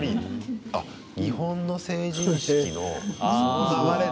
あ、日本の成人式のその流れで。